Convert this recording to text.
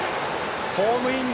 ホームイン。